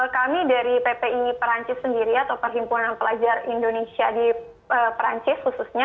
kami dari ppi perancis sendiri atau perhimpunan pelajar indonesia di perancis khususnya